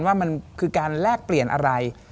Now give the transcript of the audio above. ว่ามันคือการแลกเปลี่ยนอะไร